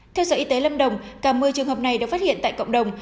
theo sở y tế lâm đồng cả một mươi trường hợp này được phát hiện tại cộng đồng